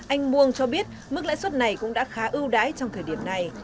anh muông cho biết mức lãi suất này cũng đã khá ưu đái trong thời điểm này